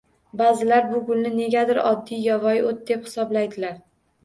Bazilar bu gulni negadur oddiy yovvoyi o‘t deb hisoblaydilar.